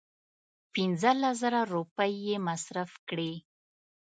پنځه لس زره روپۍ یې مصرف کړې.